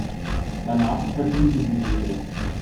Danach verschwinden sie wieder.